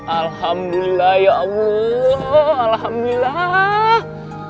alhamdulillah ya allah alhamdulillah